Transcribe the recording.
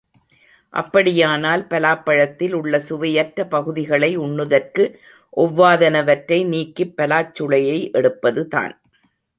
அப்படியானால், பலாப்பழத்தில் உள்ள சுவையற்ற பகுதிகளை உண்ணுதற்கு ஒவ்வாதனவற்றை நீக்கிப் பலாச் சுளையை எடுப்பதுதான்.